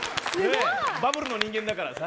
バブルの人間だからさ。